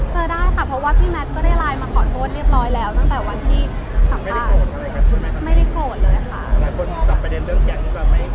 ได้ค่ะเพราะว่าพี่แมทก็ได้ไลน์มาขอโทษเรียบร้อยแล้วตั้งแต่วันที่สำเร็จ